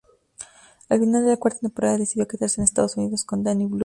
Al final de la cuarta temporada decidió quedarse en Estados Unidos con Danny Blue.